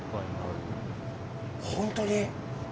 本当に？